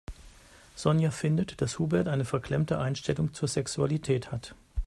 Sonja findet, dass Hubert eine verklemmte Einstellung zur Sexualität hat.